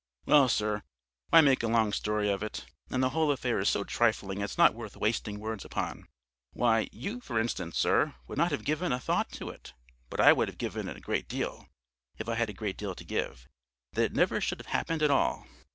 "Well, sir, why make a long story of it? And the whole affair is so trifling; it's not worth wasting words upon. Why, you, for instance, sir, would not have given a thought to it, but I would have given a great deal if I had a great deal to give that it never should have happened at all.